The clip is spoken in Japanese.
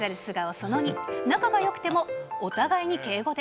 その２、仲がよくてもお互いに敬語で。